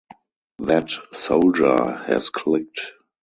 That soldier has clicked.